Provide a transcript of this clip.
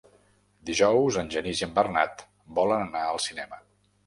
Dijous en Genís i en Bernat volen anar al cinema.